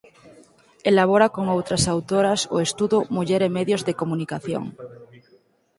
Elabora con outras autoras o estudo "Muller e Medios de Comunicación.